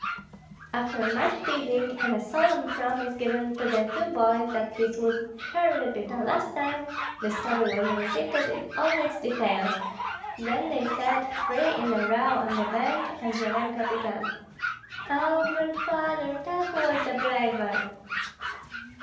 After much teasing and a solemn promise given to the two boys that this would surely be the last time, the story was repeated in all its details; then they sat three in a row on the bench and Yaremka began, "Oh, Grandfather, tell who was the bravest."